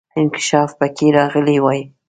انکشاف پکې راغلی وای.